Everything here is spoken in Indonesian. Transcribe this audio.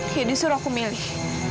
jadi suruh aku milih